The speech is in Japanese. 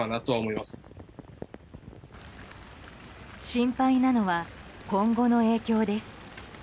心配なのは今後の影響です。